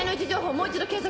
もう一度検索。